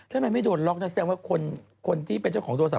แล้วมันไม่โดนล็อคแสดงว่าคนที่เป็นเจ้าของโทรศัพท์